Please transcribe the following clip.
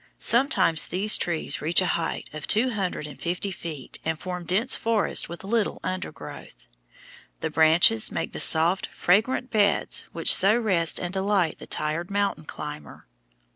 Sometimes these trees reach a height of two hundred and fifty feet and form dense forests with little undergrowth. The branches make the soft, fragrant beds which so rest and delight the tired mountain climber.